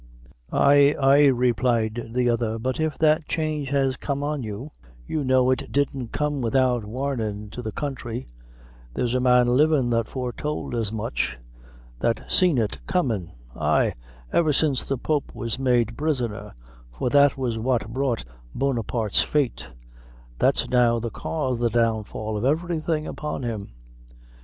"Ay, ay," replied the other; "but if that change has come on you, you know it didn't come without warnin' to the counthry; there's a man livin' that foretould as much that seen it comin' ay, ever since the pope was made prisoner, for that was what brought Bonaparte's fate that's now the cause of the downfall of everything upon him."